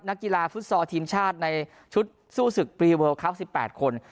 นักกีฬาฟุตซอลทีมชาติในชุดสู้ศึกปรีเวิลคลับ๑๘คน